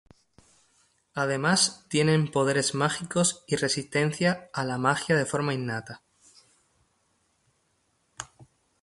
Además tienen poderes mágicos y resistencia a la magia de forma innata.